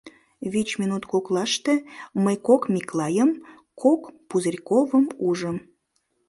Вич минут коклаште мый кок Миклайым, кок Пузырьковым ужым.